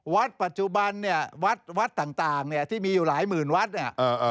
วัฒน์ปัจจุบันเนี่ยวัฒน์ต่างที่มีอยู่หลายหมื่นวัฒน์เนี่ย